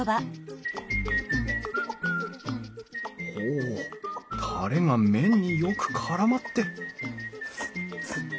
ほうタレが麺によくからまって！